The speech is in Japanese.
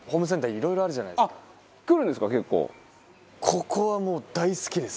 ここはもう大好きです。